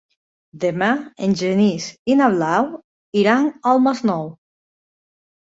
Demà en Genís i na Blau iran al Masnou.